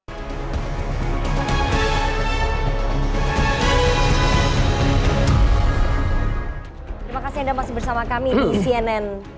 terima kasih anda masih bersama kami di cnn